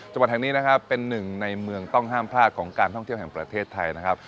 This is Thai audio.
จังหวัดแห่งนี้นะครับเป็นหนึ่งในเมืองต้องห้ามพลาดของการท่องเที่ยวแห่งประเทศไทยนะครับ